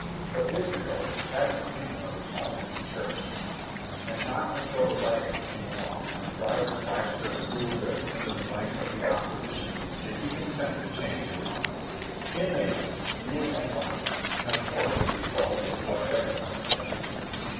But Israel had an opinion of his own and cherished it ; and not until the wagons came along and the drivers lashed their cruel whips into the flanks of the opposition, did he consent to change his mind. In they went, mule and rider, and of course the result was what every one expected.